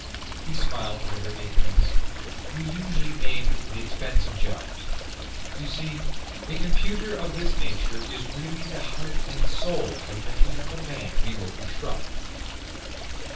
He smiled at her ignorance. "We usually name the expensive jobs. You see, a computer of this nature is really the heart and soul of the mechanical man we will construct."